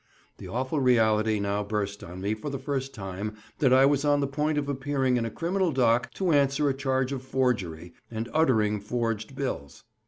The awful reality now burst on me for the first time that I was on the point of appearing in a criminal dock to answer a charge of forgery, and uttering forged bills.